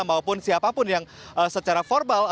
maupun siapapun yang secara formal